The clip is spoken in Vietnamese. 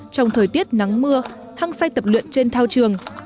trong thời tiết nắng mưa hăng say tập luyện trên thao trường